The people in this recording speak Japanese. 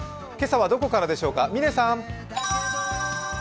今朝はどこからでしょうか。